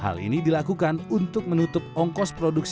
hal ini dilakukan untuk menutup ongkos produksi